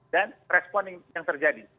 dan respon yang terjadi